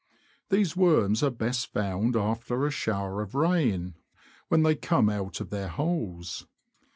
These worms are best found after a shower of rain, when they come out of their holes.